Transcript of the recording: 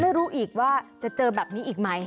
ไม่รู้อีกว่าจะเจอแบบนี้อีกไหม